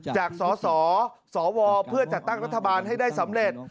จากสสวเพื่อจัดตั้งรัฐบาลให้ได้สำเร็จ